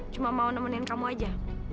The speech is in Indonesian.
cuma mau nemenin kamu aja